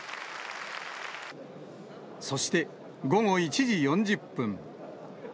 そして、午後１時４０分。